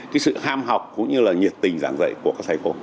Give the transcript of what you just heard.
cái sự ham học cũng như là nhiệt tình giảng dạy của các thầy cô